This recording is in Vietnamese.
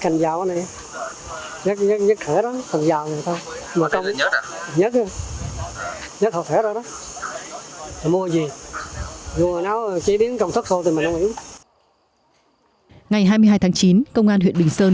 ngày hai mươi hai tháng chín công an huyện bình sơn